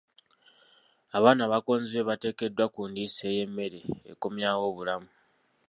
Abaana abakonzibye baateekeddwa ku ndiisa ey'emmere ekomyawo obulamu.